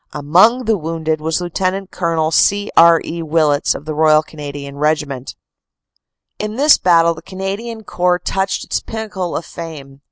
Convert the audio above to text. Among the wounded was Lt. Col. C. R. E. Willets of the Royal Cana dian Regiment. In this battle the Canadian Corps touched its pinnacle of fame.